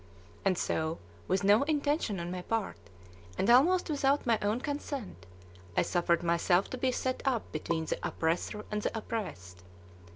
And so, with no intention on my part, and almost without my own consent, I suffered myself to be set up between the oppressor and the oppressed.